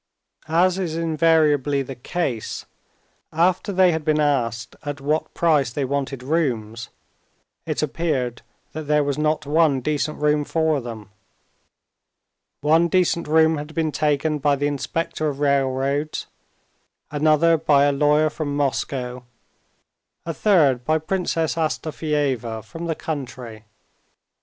As is invariably the case, after they had been asked at what price they wanted rooms, it appeared that there was not one decent room for them; one decent room had been taken by the inspector of railroads, another by a lawyer from Moscow, a third by Princess Astafieva from the country.